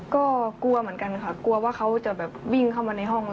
ก็กลัวเหมือนกันค่ะกลัวว่าเขาจะแบบวิ่งเข้ามาในห้องแล้ว